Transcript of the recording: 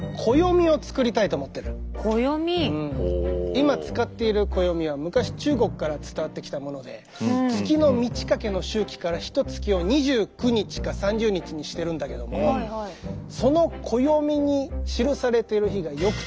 今使っている暦は昔中国から伝わってきたもので月の満ち欠けの周期からひとつきを２９日か３０日にしてるんだけどもああなるほど。